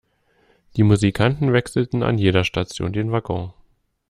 Die Musikanten wechselten an jeder Station den Waggon.